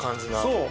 そう。